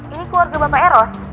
ini keluarga bapak eros